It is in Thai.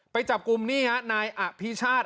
ไปจับกลุ่มนี่ฮะนายอภิชาติ